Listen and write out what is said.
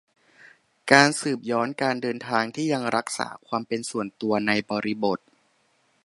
การสืบย้อนการเดินทางที่ยังรักษาความเป็นส่วนตัว ในบริบท